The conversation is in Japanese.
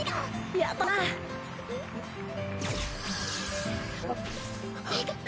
やったな。